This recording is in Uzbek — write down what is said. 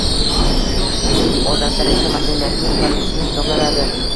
Urf-odatlar esa madaniyatning bir qismi hisoblanadi